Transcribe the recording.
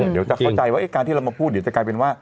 เดี๋ยวจะเข้าใจว่าการที่เรามาพูดเดี๋ยวจะกลายเป็นว่า